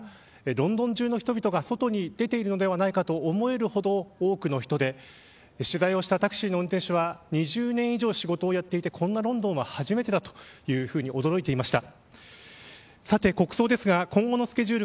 ロンドン中の人々が外に出ているのではないかと思えるほど多くの人で取材をしたタクシーの運転手は２０年以上仕事をやっていてこんなロンドンは初めてだと驚いていました。